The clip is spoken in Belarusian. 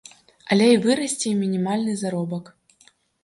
Але вырасце і мінімальны заробак.